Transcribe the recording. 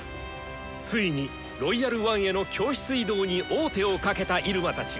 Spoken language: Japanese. ついに「ロイヤル・ワン」への教室移動に王手をかけた入間たち。